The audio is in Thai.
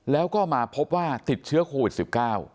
แล้วก็มาพบว่าติดเชื้อโควิด๑๙